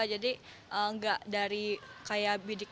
jadi nggak dari kayak bidik